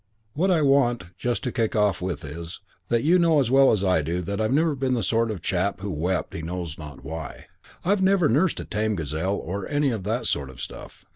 What I want just to kick off with is that you know as well as I do that I've never been the sort of chap who wept he knows not why; I've never nursed a tame gazelle or any of that sort of stuff.